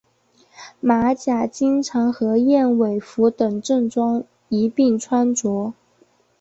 马甲经常和燕尾服等正装一并穿着。